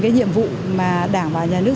cái nhiệm vụ mà đảng và nhà nước